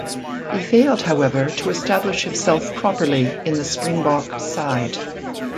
He failed however to establish himself properly in the Springbok side.